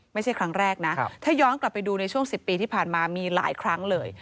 ไม่ใช่ครั้งแรกนะถ้าย้อนกลับไปดูในช่วง๑๐ปีที่ผ่านมามีหลายครั้งเลย